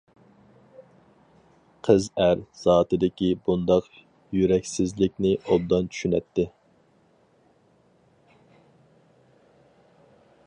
قىز ئەر زاتىدىكى بۇنداق يۈرەكسىزلىكنى ئوبدان چۈشىنەتتى.